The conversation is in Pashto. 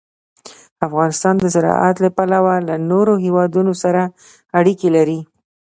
افغانستان د زراعت له پلوه له نورو هېوادونو سره اړیکې لري.